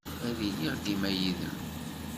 Ad iliɣ dima yid-m.